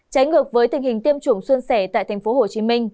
trái ngược với tình hình tiêm chủng xuân sẻ tại tp hcm